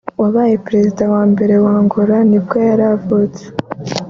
wabaye perezida wa mbere wa Angola nibwo yavutse